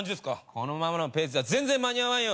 このままのペースじゃ間に合わんよ。